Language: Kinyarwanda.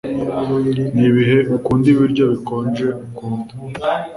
Nibihe ukunda ibiryo bikonje ukunda